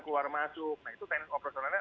keluar masuk nah itu operasionalnya